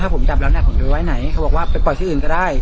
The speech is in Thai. ถ้าผมจับแล้วเนี่ยผมดูไว้ไหนเขาบอกว่าไปปล่อยที่อื่นก็ได้